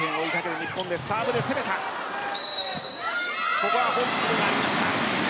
ここはホイッスルがありました。